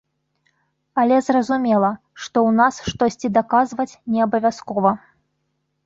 Але зразумела, што ў нас штосьці даказваць не абавязкова.